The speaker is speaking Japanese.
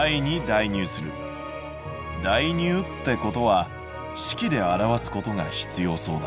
代入ってことは式で表すことが必要そうだ。